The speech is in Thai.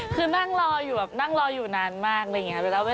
คือนั่งรออยู่นานมากอะไรอย่างนี้